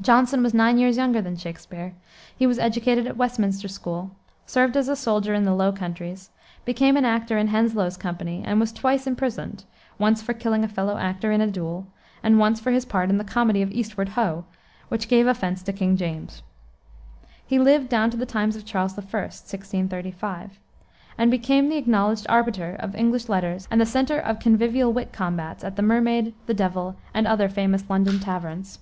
Jonson was nine years younger than Shakspere. He was educated at Westminster School, served as a soldier in the low countries, became an actor in Henslowe's company, and was twice imprisoned once for killing a fellow actor in a duel, and once for his part in the comedy of Eastward Hoe, which gave offense to King James. He lived down to the times of Charles I. (1635), and became the acknowledged arbiter of English letters and the center of convivial wit combats at the Mermaid, the Devil, and other famous London taverns.